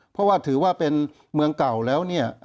เพราะว่าถือว่าเป็นเมืองเก่าแล้วเนี่ย